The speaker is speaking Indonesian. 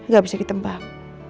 gak bisa ditembak